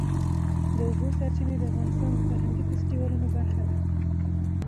د اوبو سرچینې د افغانستان د فرهنګي فستیوالونو برخه ده.